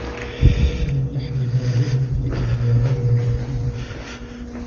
ثمن اللحم باهظ في أيامنا هذه.